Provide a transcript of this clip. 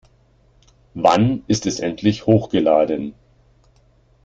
Wann ist es endlich hochgeladen?